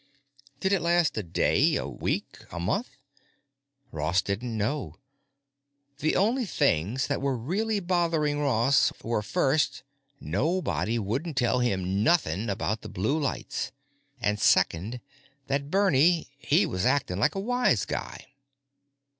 Did it last a day, a week, a month? Ross didn't know. The only things that were really bothering Ross were, first, nobody wouldn't tell him nothin' about the blue lights and, second, that Bernie, he was actin' like a wise guy.